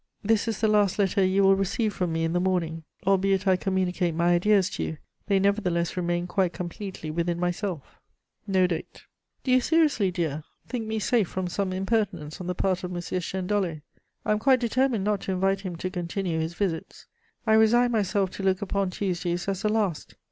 This is the last letter you will receive from me in the morning. Albeit I communicate my ideas to you, they nevertheless remain quite completely within myself." (No date.) "Do you seriously, dear, think me safe from some impertinence on the part of M. Chênedollé? I am quite determined not to invite him to continue his visits; I resign myself to look upon Tuesday's as the last.